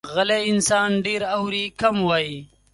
غلی انسان، ډېر اوري، کم وایي.